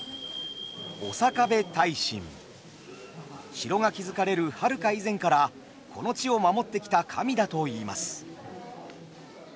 城が築かれるはるか以前からこの地を守ってきた神だといいます。